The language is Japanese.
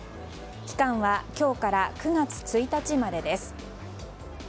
期間は今日から９月１日までです。